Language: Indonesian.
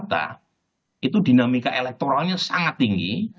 jadi lagi lagi kita mendapatkan basis pemilih baru berat juga buat ahok ini